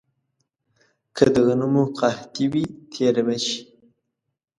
که د غنمو قحطي وي، تېره به شي.